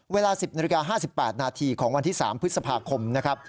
เวลา๑๐น๕๘นาทีของวันที่๓พฤษภาคม